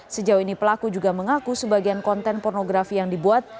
sejauh ini pelaku juga mengaku sebagian konten pornografi yang dibuat